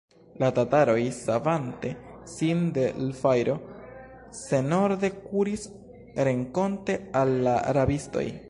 La tataroj, savante sin de l' fajro, senorde kuris renkonte al la rabistoj.